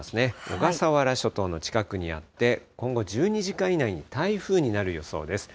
小笠原諸島の近くにあって、今後１２時間以内に台風になる予想です。